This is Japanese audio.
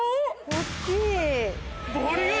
大っきい！